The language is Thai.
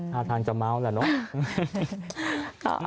ถ้าทางจะเม้าท์แหละเนอะ